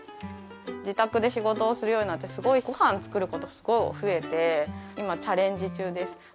自宅で仕事をするようになってごはん作ることすごい増えて今チャレンジ中です